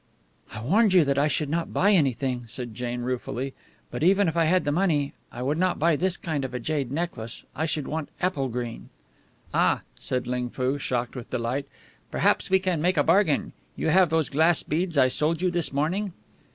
"I warned you that I should not buy anything," said Jane, ruefully. "But even if I had the money I would not buy this kind of a jade necklace. I should want apple green." "Ah!" said Ling Foo, shocked with delight. "Perhaps we can make a bargain. You have those glass beads I sold you this morning?"